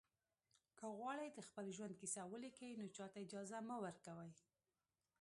که غواړئ د خپل ژوند کیسه ولیکئ نو چاته اجازه مه ورکوئ.